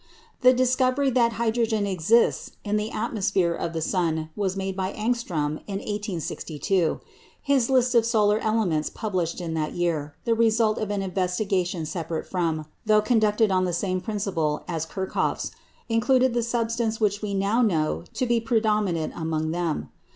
The discovery that hydrogen exists in the atmosphere of the sun was made by Ångström in 1862. His list of solar elements published in that year, the result of an investigation separate from, though conducted on the same principle as Kirchhoff's, included the substance which we now know to be predominant among them.